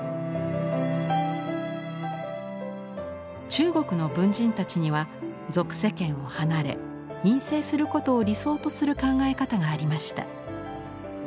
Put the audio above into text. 中国の文人たちには俗世間を離れ隠棲することを理想とする考え方がありました。